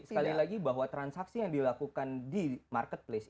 sekali lagi bahwa transaksi yang dilakukan di marketplace